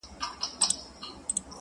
توبه ګاره له توبې یم، پر مغان غزل لیکمه!